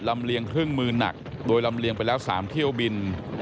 เลียงเครื่องมือหนักโดยลำเลียงไปแล้ว๓เที่ยวบิน